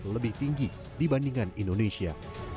lebih tinggi dibandingkan indonesia